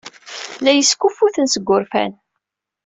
La iyi-skuffuten seg wurfan.